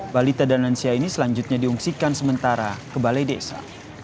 balita dan lansia ini selanjutnya diungsikan sementara ke balai desa